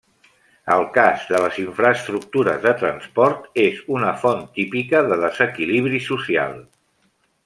El cas de les infraestructures de transport és una font típica de desequilibri social.